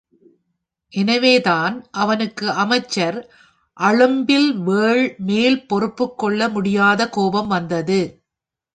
எனவேதான் அவனுக்கு அமைச்சர் அழும்பில்வேள் மேல் பொறுத்துக்கொள்ள முடியாத கோபம் வந்தது.